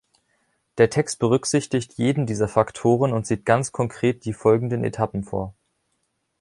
Der Text berücksichtigt jeden dieser Faktoren und sieht ganz konkret die folgenden Etappen vor.